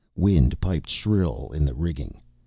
Wind piped shrill in the rigging.